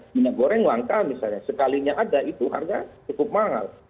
minyak goreng langka misalnya sekalinya ada itu harga cukup mahal